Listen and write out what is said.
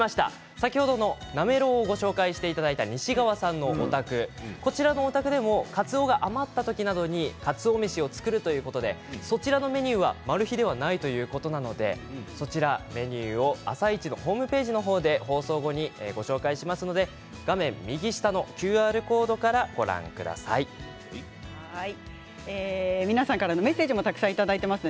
先ほどのなめろうを教えていただいた西川さんのお宅でもかつおが余った時にかつお飯を作るということでそちらのメニューはマル秘ではないということなのでメニューを「あさイチ」のホームページで放送後にご紹介しますので画面右下のＱＲコードから皆さんからのメッセージもたくさんいただいています。